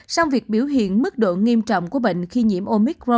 sau việc biểu hiện mức độ nghiêm trọng của bệnh khi nhiễm omicron